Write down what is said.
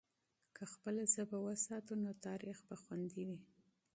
که خپله ژبه وساتو، نو تاریخ به خوندي وي.